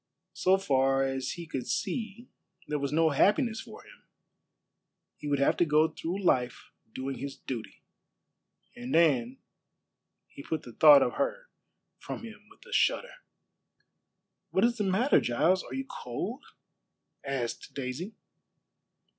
So far as he could see there was no happiness for him. He would have to go through life doing his duty. And Anne he put the thought of her from him with a shudder. "What is the matter, Giles? Are you cold?" asked Daisy.